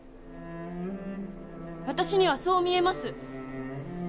私にはそう見えます！